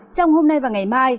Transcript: trong hôm nay và ngày mai